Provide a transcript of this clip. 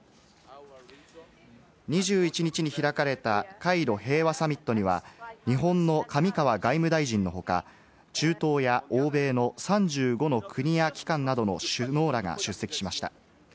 ２１日に開かれたカイロ平和サミットには日本の上川外務大臣の他、中東や欧米の３５の国や機関などの首脳らが出席しました。